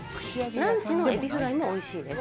ランチのエビフライも、おいしいです。